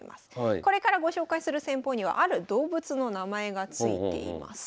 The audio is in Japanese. これからご紹介する戦法にはある動物の名前がついています。